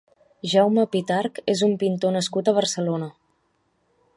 Jaume Pitarch és un pintor nascut a Barcelona.